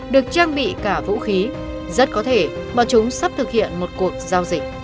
được trang bị cả vũ khí rất có thể bọn chúng sắp thực hiện một cuộc giao dịch